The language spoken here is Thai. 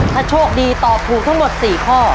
ถ้าโชคดีตอบถูกทั้งหมด๔ข้อ